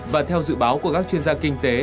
và theo dự báo của các chuyên gia kinh tế